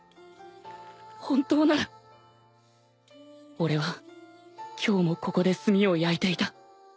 俺は今日もここで炭を焼いていた